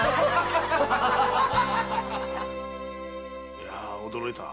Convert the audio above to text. いやあ驚いた。